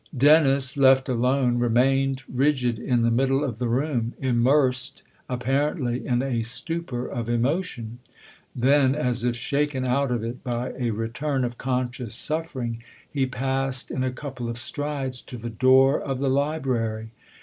Dennis, left alone, remained rigid in the middle of the room, immersed apparently in a stupor of emotion ; then, as if shaken out of it by a return of conscious suffering, he passed in a couple of strides to the door of the library.